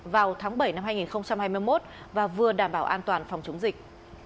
vào tháng bảy năm hai nghìn hai mươi một và vừa đảm bảo an toàn phòng chống dịch